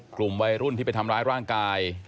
กลุ่มวัยรุ่นที่ไปทำร้ายร่างกาย